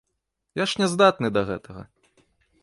Я ж не здатны да гэтага.